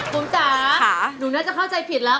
ผมจ๋าหนูน่าจะเข้าใจผิดแล้ว